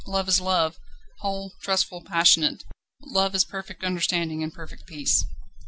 Love is Love whole, trustful, passionate. Love is perfect understanding and perfect peace.